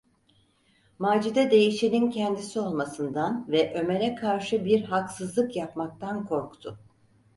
Macide değişenin kendisi olmasından ve Ömer’e karşı bir haksızlık yapmaktan korktu.